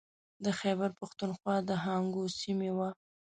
د خیبر پښتونخوا د هنګو سیمې و.